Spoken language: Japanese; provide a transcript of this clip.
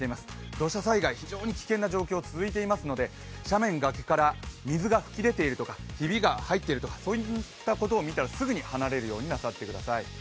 土砂災害、非常に危険な状況が続いていますので斜面、崖から水が噴き出ているとかひびが入っているとか、そういったことを見たらすぐに離れるようになさってください。